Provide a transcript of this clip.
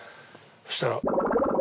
そしたら。